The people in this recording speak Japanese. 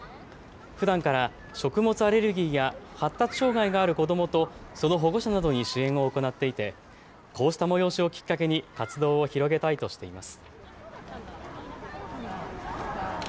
ふだんから食物アレルギーや発達障害がある子どもとその保護者などに支援を行っていてこうした催しをきっかけに活動を広げたいとしています。